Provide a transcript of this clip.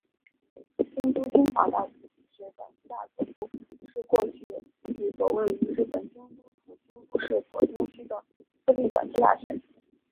京都精华大学短期大学部是过去一所位于日本京都府京都市左京区的私立短期大学。